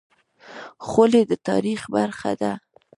خولۍ د تاریخ برخه ده.